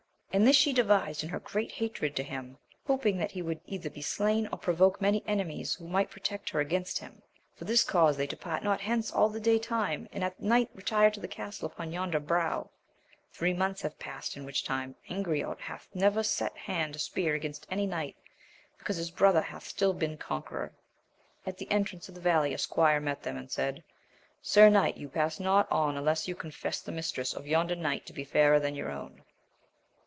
And this she devised in her great hatred to him, hoping that he would either be slain, or provoke many enemies who might protest her against him. For this cause they depart not hence all the day time, and at night retire to the castle upon yonder brow ; three months have past in which time Angriote hath never set hand to spear against any knight, because his brother hath stiU been conqueror. At the entrance of the valley a squire met them, and said. Sir knight, you pass not on unless you confess the mistress of yonder knight to be fairer than your own.